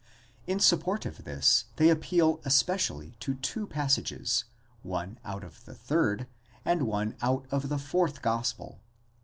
In support of this they appeal especially to two passages ; one out of the third, and one out of the fourth gospel.